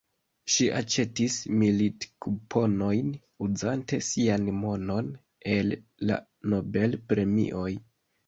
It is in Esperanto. Ŝi aĉetis milit-kuponojn, uzante sian monon el la Nobel-premioj.